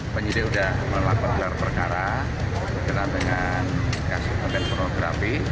penyidik sudah melakukan gelar perkara dengan kasus konten pornografi